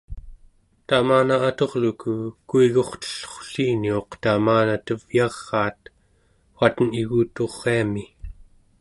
tamana aturluku, kuigurtellrulliniuq tamana tevyaraat, waten iguturiami